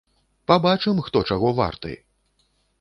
Пабачым, хто чаго варты!